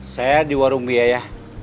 saya di warung bia ya